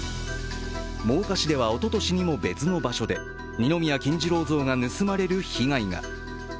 真岡市ではおととしにも別の場所で二宮金次郎像が盗まれる被害が。